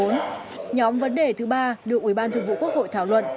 nhóm vấn đề thứ ba được ủy ban thường vụ quốc hội thảo luận